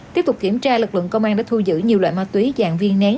tiếp tục kiểm tra lực lượng công an đã thu giữ nhiều loại ma túy dạng viên nén